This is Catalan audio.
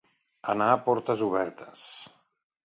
Anar portes obertes.